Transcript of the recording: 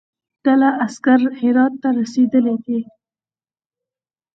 ډله عسکر هرات ته رسېدلی دي.